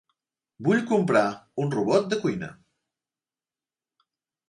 Vull comprar un robot de cuina.